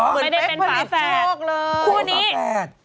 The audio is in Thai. ไม่ได้เป็นฝาแฟด